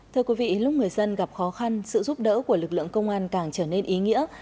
thưa quý vị lúc người dân gặp khó khăn sự giúp đỡ của lực lượng công an càng trở nên ý nghĩa